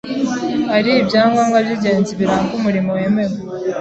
ari ibyangombwa by’ingenzi biranga umurimo wemewe.